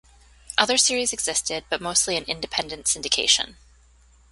Other series existed, but mostly in independent syndication.